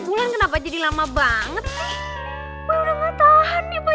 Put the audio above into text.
satu bulan kenapa jadi lama banget nih